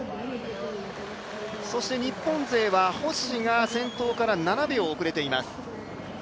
そして、日本勢は星が先頭から７秒遅れています。